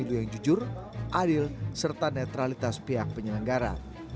dan netralitas pihak penyelenggara